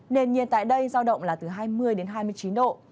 nền nhiệt tại đây giao động là từ hai mươi đến hai mươi chín độ